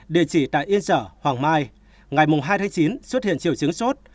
địa chỉ tại yên sở hoàng mai ngày hai chín xuất hiện triều chứng sốt